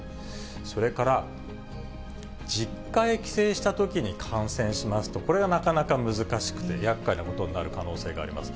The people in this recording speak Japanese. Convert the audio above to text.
それから、実家へ帰省したときに感染しますと、これはなかなか難しくてやっかいなことになる可能性があります。